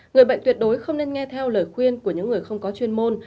người bệnh tuyệt đối không nên nghe theo lời khuyên của những người không có chuyên môn